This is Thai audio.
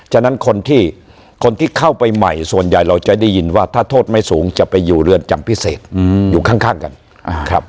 ฉะนั้นคนที่คนที่เข้าไปใหม่ส่วนใหญ่เราจะได้ยินว่าถ้าโทษไม่สูงจะไปอยู่เรือนจำพิเศษอยู่ข้างกันครับ